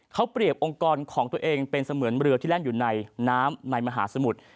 เขาเปรียบองค์กรของตัวเองเป็นเสมือนเรือที่แล่นอยู่ในน้ำในมหาสมุทร